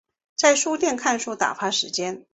在书店看书打发时间